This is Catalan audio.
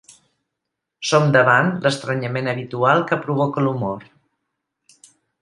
Som davant l'estranyament habitual que provoca l'humor.